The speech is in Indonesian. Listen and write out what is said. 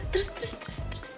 terus terus terus